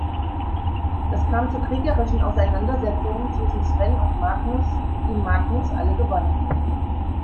Es kam zu kriegerischen Auseinandersetzungen zwischen Sven und Magnus, die Magnus alle gewann.